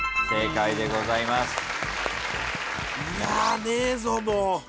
正解でございます。